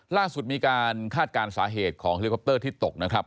ล่าสุดมีการคาดการณ์สาเหตุของเฮลิคอปเตอร์ที่ตกนะครับ